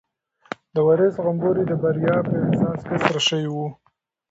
د وارث غومبوري د بریا په احساس کې سره شوي وو.